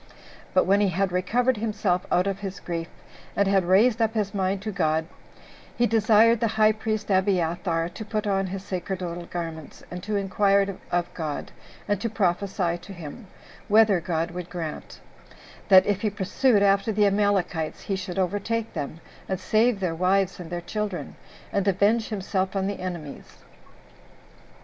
But when he had recovered himself out of his grief, and had raised up his mind to God, he desired the high priest Abiathar to put on his sacerdotal garments, and to inquire of God, and to prophesy to him, whether God would grant; that if he pursued after the Amalekites, he should overtake them, and save their wives and their children, and avenge himself on the enemies.